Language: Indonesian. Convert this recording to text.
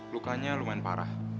lukanya lumayan parah